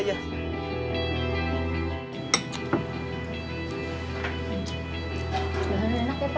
enak ya pak